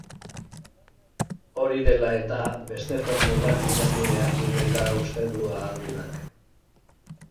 Hori dela eta, beste formulak bilatu behar direla uste du ahaldunak.